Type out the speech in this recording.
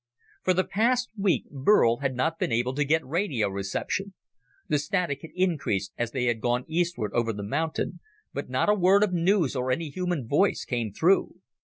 For the past week Burl had not been able to get radio reception. The static had increased as they had gone eastward over the mountain, but not a word of news or any human voice came through.